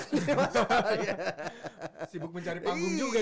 sibuk mencari panggung juga